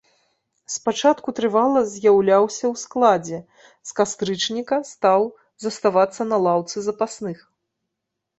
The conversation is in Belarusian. Спачатку трывала з'яўляўся ў складзе, з кастрычніка стаў заставацца на лаўцы запасных.